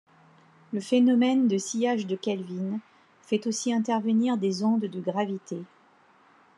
Le phénomène de sillage de Kelvin fait aussi intervenir des ondes de gravité.